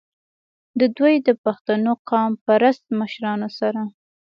د دوي د پښتنو قام پرست مشرانو سره